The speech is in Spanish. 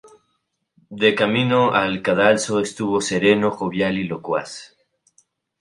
De camino al cadalso estuvo sereno, jovial y locuaz.